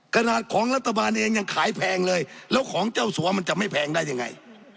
ขนาดของรัฐบาลเองยังขายแพงเลยแล้วของเจ้าสัวมันจะไม่แพงได้ยังไง